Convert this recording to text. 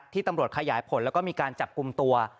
ที่ตำรวจขยายผลและมีการจับกลุ่มตัว